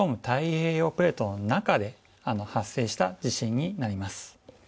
太平洋プレートの中で発生した地震になります。